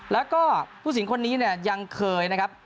แล้วก็ผู้หญิงคนนี้เนี่ยยังเคยนะครับ